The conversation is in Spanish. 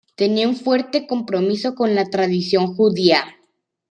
Tenía un fuerte compromiso con la tradición judía.